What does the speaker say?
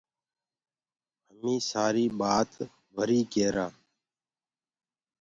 همي سآري بآت وري ڪيرآ۔